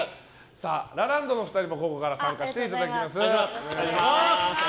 ラランドの２人ここから参加していただきます。